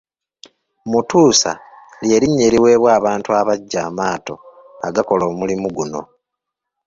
Mutuusa ly’erinnya eriweebwa obantu abajja amaato agakola omulimu guno.